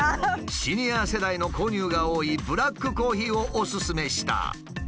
シニア世代の購入が多いブラックコーヒーをおススメした。